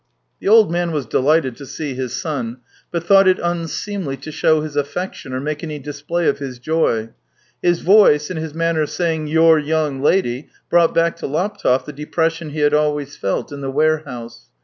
The old man was delighted to see his son, but thought it unseemly to show his affection or make any display of his joy. His voice and his manner of saying " your young lady " brought back to Laptev the depression he had always felt in the warehouse.